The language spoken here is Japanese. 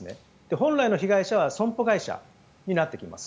本来の被害者は損保会社になってきます。